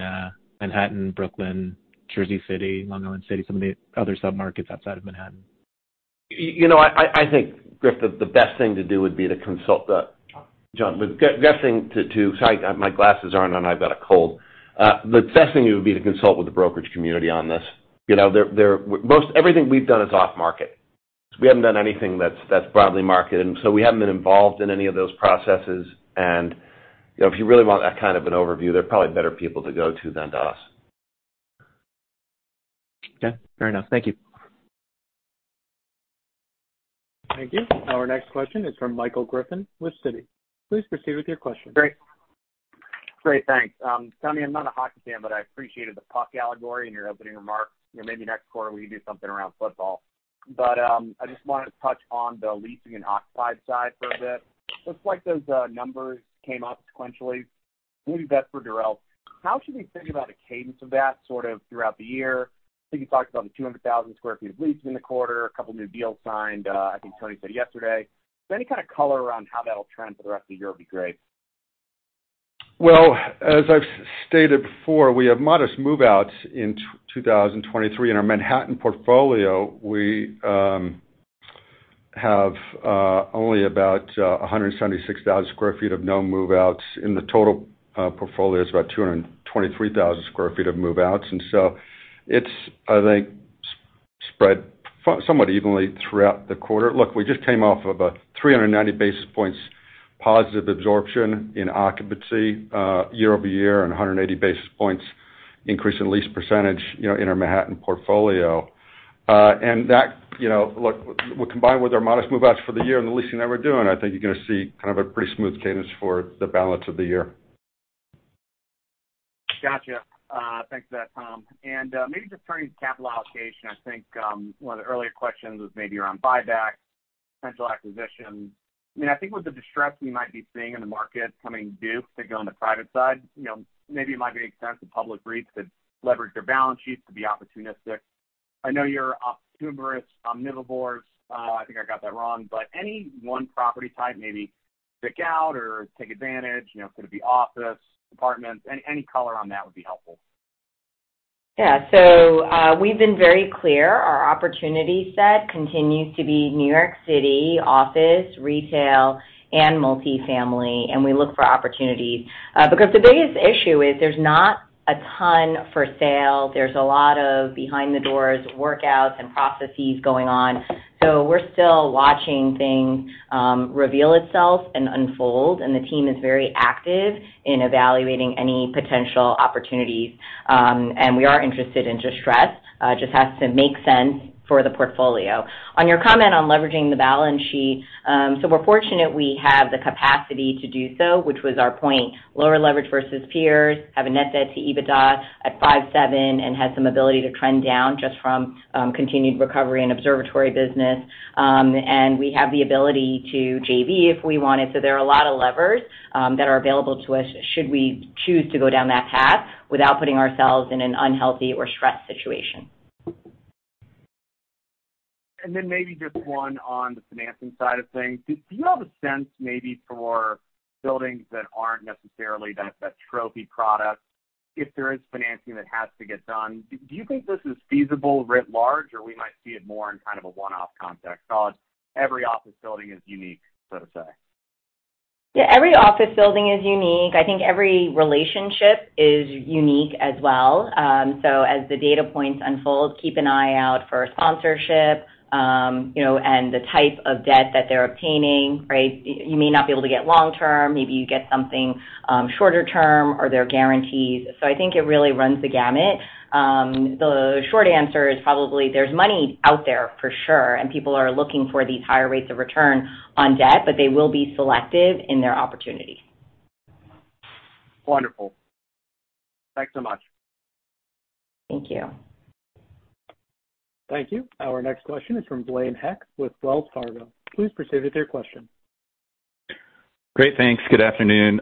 Manhattan, Brooklyn, Jersey City, Long Island City, some of the other submarkets outside of Manhattan? You know, I think, Griff, that the best thing to do would be to consult the. Sorry, my glasses aren't on, I've got a cold. The best thing it would be to consult with the brokerage community on this. You know, most everything we've done is off market. We haven't done anything that's broadly marketed, and so we haven't been involved in any of those processes. You know, if you really want that kind of an overview, there are probably better people to go to than to us. Okay. Fair enough. Thank you. Thank you. Our next question is from Michael Griffin with Citi. Please proceed with your question. Great. Great, thanks. Tony, I'm not a hockey fan, I appreciated the puck allegory in your opening remarks. You know, maybe next quarter we can do something around football. I just wanted to touch on the leasing and occupied side for a bit. Looks like those numbers came up sequentially. Maybe that's for Durels. How should we think about the cadence of that sort of throughout the year? I think you talked about the 200,000 sq ft of leasing in the quarter, a couple new deals signed, I think Tony said yesterday. Any kind of color around how that'll trend for the rest of the year would be great. Well, as I've stated before, we have modest move-outs in 2023. In our Manhattan portfolio, we have only about 176,000 sq ft of no move-outs. In the total portfolio, it's about 223,000 sq ft of move-outs. It's, I think, spread somewhat evenly throughout the quarter. Look, we just came off of a 390 basis points positive absorption in occupancy year-over-year, and 180 basis points increase in lease percentage, you know, in our Manhattan portfolio. That, you know, look, when combined with our modest move-outs for the year and the leasing that we're doing, I think you're gonna see kind of a pretty smooth cadence for the balance of the year. Gotcha. Thanks for that, Tom. Maybe just turning to capital allocation. I think, one of the earlier questions was maybe around buyback, potential acquisition. I mean, I think with the distress we might be seeing in the market coming due, particularly on the private side, you know, maybe it might make sense for public REITs to leverage their balance sheets to be opportunistic. I know you're opportunist omnivores. I think I got that wrong. Any one property type maybe stick out or take advantage? You know, could it be office, apartments? Any color on that would be helpful. We've been very clear our opportunity set continues to be New York City office, retail, and multifamily, and we look for opportunities. Because the biggest issue is there's not a ton for sale. There's a lot of behind the doors workouts and processes going on. We're still watching things reveal itself and unfold, and the team is very active in evaluating any potential opportunities. We are interested in distress, just has to make sense for the portfolio. On your comment on leveraging the balance sheet, we're fortunate we have the capacity to do so, which was our point. Lower leverage versus peers, have a net debt to EBITDA at 5.7 and has some ability to trend down just from continued recovery in observatory business. We have the ability to JV if we wanted. There are a lot of levers that are available to us should we choose to go down that path without putting ourselves in an unhealthy or stressed situation. Maybe just one on the financing side of things. Do you have a sense maybe for buildings that aren't necessarily that trophy product, if there is financing that has to get done, do you think this is feasible writ large or we might see it more in kind of a one-off context? Call it every office building is unique, so to say. Yeah, every office building is unique. I think every relationship is unique as well. As the data points unfold, keep an eye out for sponsorship, you know, and the type of debt that they're obtaining, right? You may not be able to get long term, maybe you get something shorter term or there are guarantees. I think it really runs the gamut. The short answer is probably there's money out there for sure, and people are looking for these higher rates of return on debt, but they will be selective in their opportunity. Wonderful. Thanks so much. Thank you. Thank you. Our next question is from Blaine Heck with Wells Fargo. Please proceed with your question. Great, thanks. Good afternoon.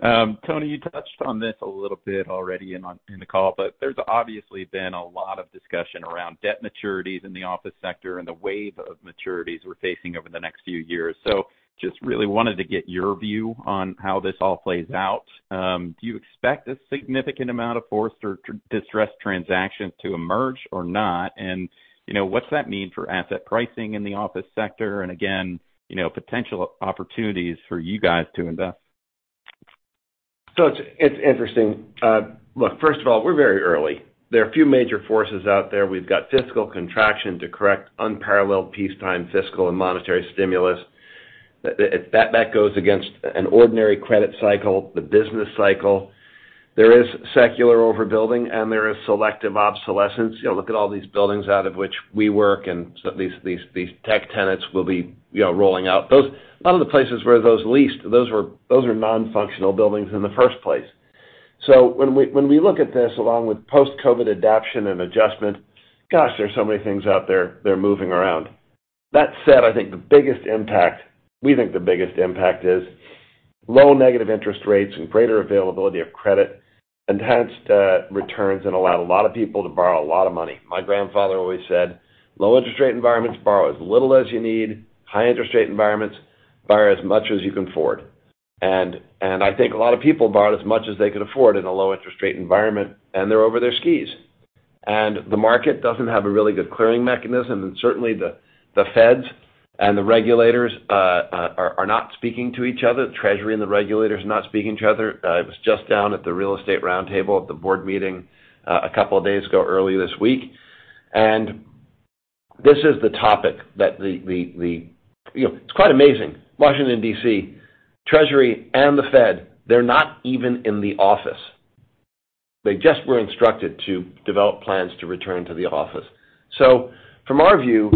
Tony, you touched on this a little bit already in the call, but there's obviously been a lot of discussion around debt maturities in the office sector and the wave of maturities we're facing over the next few years. Just really wanted to get your view on how this all plays out. Do you expect a significant amount of forced or distressed transactions to emerge or not? You know, what's that mean for asset pricing in the office sector and again, you know, potential opportunities for you guys to invest? It's interesting. Look, first of all, we're very early. There are a few major forces out there. We've got fiscal contraction to correct unparalleled peacetime fiscal and monetary stimulus. That goes against an ordinary credit cycle, the business cycle. There is secular overbuilding and there is selective obsolescence. You know, look at all these buildings out of which we work and these tech tenants will be, you know, rolling out. A lot of the places where those leased, those are non-functional buildings in the first place. When we look at this, along with post-COVID adaption and adjustment, gosh, there's so many things out there that are moving around. That said, we think the biggest impact is low negative interest rates and greater availability of credit enhanced returns and allowed a lot of people to borrow a lot of money. My grandfather always said, "Low interest rate environments borrow as little as you need, high interest rate environments borrow as much as you can afford." I think a lot of people borrowed as much as they could afford in a low interest rate environment, and they're over their skis. The market doesn't have a really good clearing mechanism, and certainly the feds and the regulators are not speaking to each other. The Treasury and the regulators are not speaking to each other. I was just down at The Real Estate Roundtable at the board meeting a couple of days ago, early this week. This is the topic that, you know, it's quite amazing. Washington D.C., Treasury and the Fed, they're not even in the office. They just were instructed to develop plans to return to the office. From our view,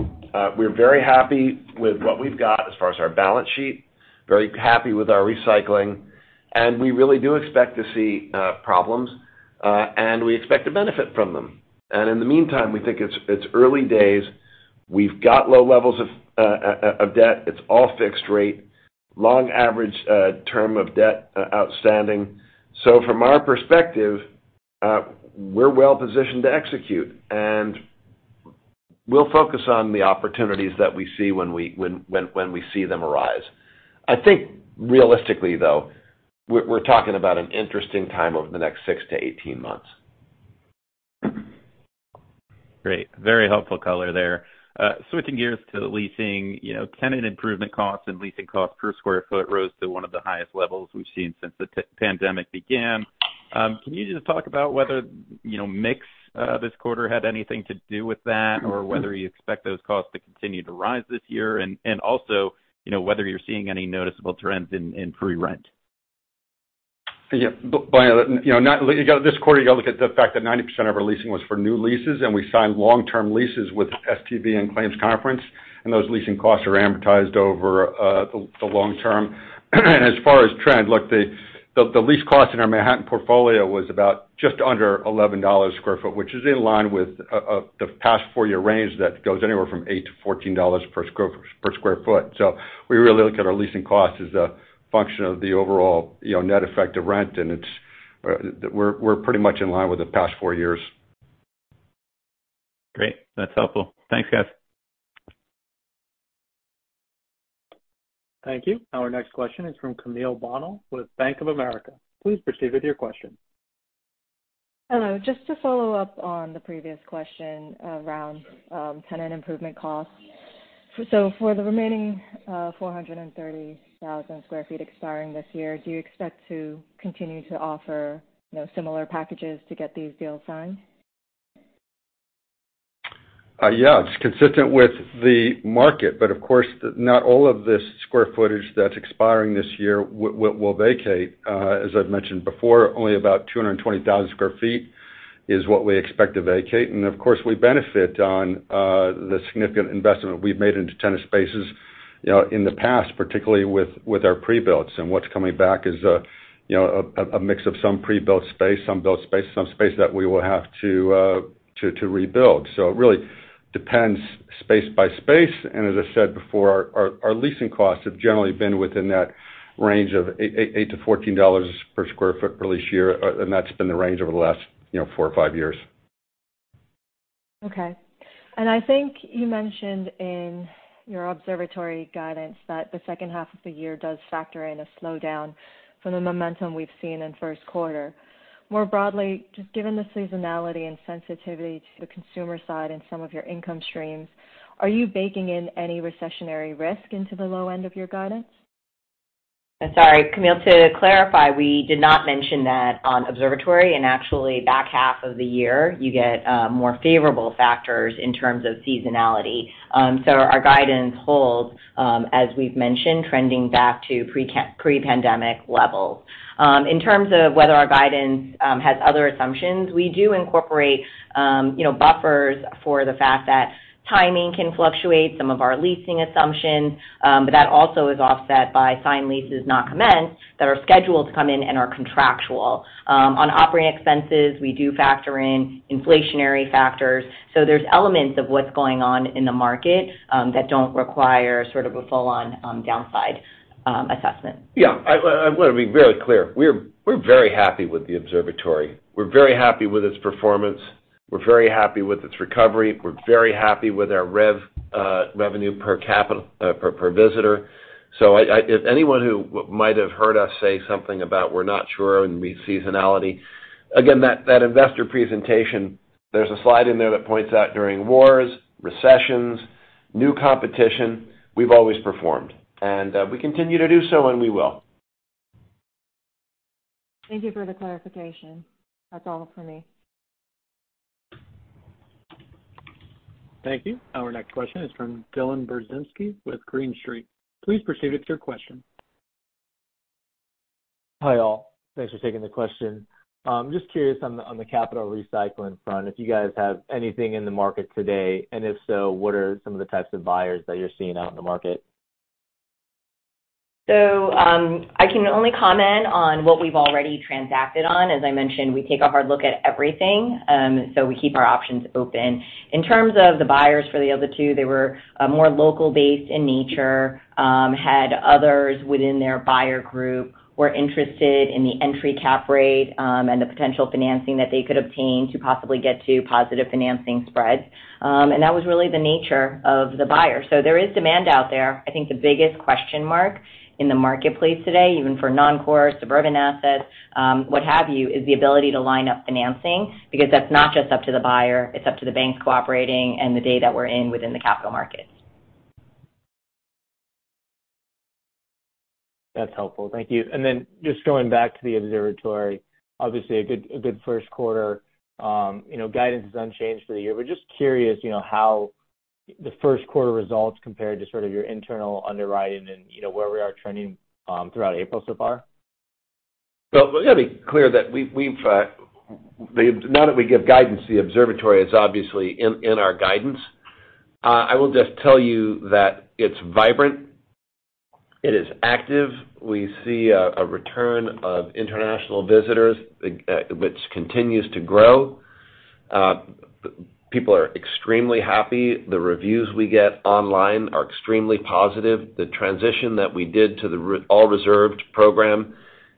we're very happy with what we've got as far as our balance sheet, very happy with our recycling, and we really do expect to see problems, and we expect to benefit from them. In the meantime, we think it's early days. We've got low levels of debt. It's all fixed rate, long average term of debt outstanding. From our perspective, we're well positioned to execute, and we'll focus on the opportunities that we see when we see them arise. I think realistically, though, we're talking about an interesting time over the next 6 to 18 months. Great. Very helpful color there. Switching gears to leasing, you know, tenant improvement costs and leasing costs per square foot rose to one of the highest levels we've seen since the pandemic began. Can you just talk about whether, you know, mix, this quarter had anything to do with that, or whether you expect those costs to continue to rise this year? And also, you know, whether you're seeing any noticeable trends in free rent? Yeah. You know, this quarter, you got to look at the fact that 90% of our leasing was for new leases. We signed long-term leases with STV and Claims Conference. Those leasing costs are amortized over the long term. As far as trend, look, the lease cost in our Manhattan portfolio was about just under $11 a sq ft, which is in line with the past four year range that goes anywhere from $8 to $14 per sq ft. We really look at our leasing cost as a function of the overall, you know, net effect of rent, we're pretty much in line with the past four years. Great. That's helpful. Thanks, guys. Thank you. Our next question is from Camille Bonnel with Bank of America. Please proceed with your question. Hello. Just to follow up on the previous question around tenant improvement costs. For the remaining 430,000 sq ft expiring this year, do you expect to continue to offer, you know, similar packages to get these deals signed? Yeah. It's consistent with the market, but of course, not all of this square footage that's expiring this year will vacate. As I've mentioned before, only about 220,000 square feet is what we expect to vacate. Of course, we benefit on the significant investment we've made into tenant spaces, you know, in the past, particularly with our pre-builts. What's coming back is, you know, a mix of some pre-built space, some built space, some space that we will have to rebuild. It really depends space by space. As I said before, our leasing costs have generally been within that range of $8 to $14 per square foot per lease year, and that's been the range over the last, you know, 4 or 5 years. Okay. I think you mentioned in your Observatory guidance that the second half of the year does factor in a slowdown from the momentum we've seen in first quarter. More broadly, just given the seasonality and sensitivity to the consumer side and some of your income streams, are you baking in any recessionary risk into the low end of your guidance? Sorry, Camille, to clarify, we did not mention that on Observatory and actually back half of the year, you get more favorable factors in terms of seasonality. Our guidance holds, as we've mentioned, trending back to pre-pandemic levels. In terms of whether our guidance has other assumptions, we do incorporate, buffers for the fact that timing can fluctuate some of our leasing assumptions, but that also is offset by signed leases not commenced that are scheduled to come in and are contractual. On operating expenses, we do factor in inflationary factors, so there's elements of what's going on in the market that don't require sort of a full-on downside assessment. Yeah. I wanna be very clear. We're very happy with the Observatory. We're very happy with its performance. We're very happy with its recovery. We're very happy with our revenue per capita per visitor. If anyone who might have heard us say something about we're not sure and seasonality, again, that investor presentation, there's a slide in there that points out during wars, recessions, new competition, we've always performed. We continue to do so, and we will. Thank you for the clarification. That's all for me. Thank you. Our next question is from Dylan Burzinski with Green Street. Please proceed with your question. Hi, all. Thanks for taking the question. Just curious on the capital recycling front, if you guys have anything in the market today, and if so, what are some of the types of buyers that you're seeing out in the market? I can only comment on what we've already transacted on. As I mentioned, we take a hard look at everything, so we keep our options open. In terms of the buyers for the other two, they were more local based in nature, had others within their buyer group, were interested in the entry cap rate, and the potential financing that they could obtain to possibly get to positive financing spreads. That was really the nature of the buyer. There is demand out there. I think the biggest question mark in the marketplace today, even for non-core suburban assets, what have you, is the ability to line up financing because that's not just up to the buyer, it's up to the banks cooperating and the data we're in within the capital markets. That's helpful. Thank you. Then just going back to the Observatory, obviously a good first quarter. You know, guidance is unchanged for the year. We're just curious, you know, how the first quarter results compared to sort of your internal underwriting and, you know, where we are trending throughout April so far. Well, let me be clear that now that we give guidance to the observatory, it's obviously in our guidance. I will just tell you that it's vibrant, it is active. We see a return of international visitors, which continues to grow. People are extremely happy. The reviews we get online are extremely positive. The transition that we did to the all reserved program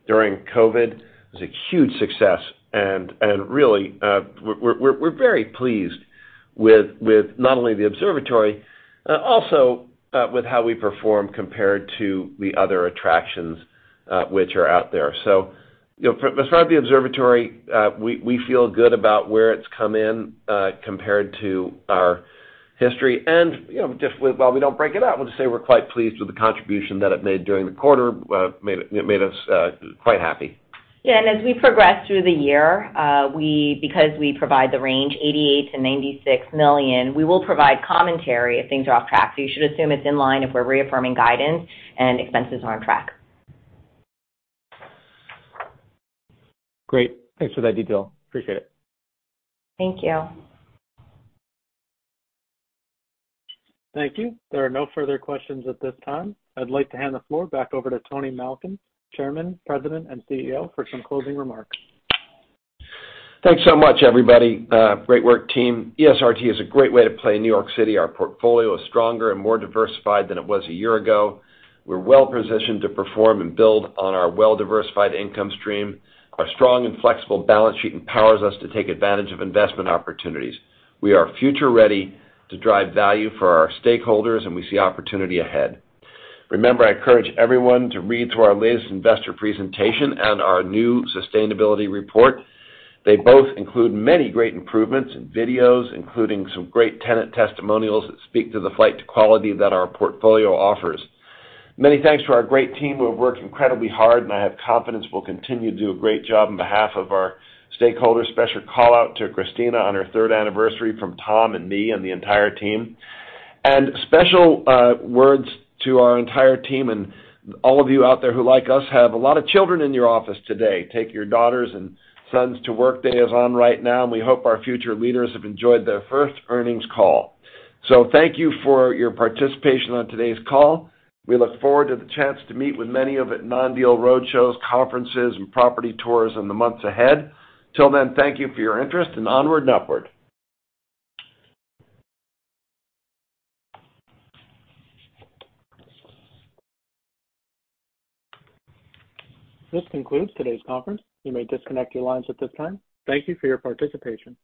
during COVID was a huge success. Really, we're very pleased with not only the observatory, also with how we perform compared to the other attractions which are out there. You know, despite the observatory, we feel good about where it's come in compared to our history. You know, just while we don't break it out, we'll just say we're quite pleased with the contribution that it made during the quarter. It made us quite happy. As we progress through the year, because we provide the range $88 million to $96 million, we will provide commentary if things are off track. You should assume it's in line if we're reaffirming guidance and expenses are on track. Great. Thanks for that detail. Appreciate it. Thank you. Thank you. There are no further questions at this time. I'd like to hand the floor back over to Tony Malkin, Chairman, President, and CEO, for some closing remarks. Thanks so much, everybody. Great work team. ESRT is a great way to play in New York City. Our portfolio is stronger and more diversified than it was a year ago. We're well positioned to perform and build on our well-diversified income stream. Our strong and flexible balance sheet empowers us to take advantage of investment opportunities. We are future ready to drive value for our stakeholders, and we see opportunity ahead. Remember, I encourage everyone to read through our latest investor presentation and our new Sustainability Report. They both include many great improvements in videos, including some great tenant testimonials that speak to the flight to quality that our portfolio offers. Many thanks to our great team who have worked incredibly hard, and I have confidence will continue to do a great job on behalf of our stakeholders. Special call out to Christina on her third anniversary from Tom and me and the entire team. Special words to our entire team and all of you out there who like us have a lot of children in your office today. Take Your Daughters and Sons to Work Day is on right now. We hope our future leaders have enjoyed their first earnings call. Thank you for your participation on today's call. We look forward to the chance to meet with many of you at non-deal road shows, conferences, and property tours in the months ahead. Till then, thank you for your interest. Onward and upward. This concludes today's conference. You may disconnect your lines at this time. Thank you for your participation.